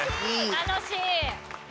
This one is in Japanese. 楽しい！